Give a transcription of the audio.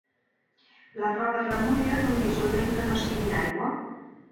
La roba es remulla en un dissolvent que no sigui aigua.